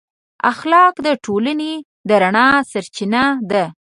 اخلاق د ټولنې د رڼا سرچینه ده.